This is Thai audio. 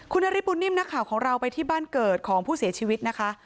คุณนฤทธบุญนิ่มนักข่าวของเราไปที่บ้านเกิดของผู้เสียชีวิตนะคะ